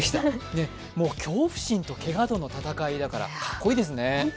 恐怖心とけがとの闘いだからかっこいいですね。